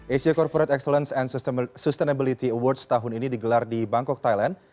asia corporate excellence and sustainability awards tahun ini digelar di bangkok thailand